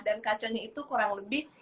dan kacanya itu kurang lebih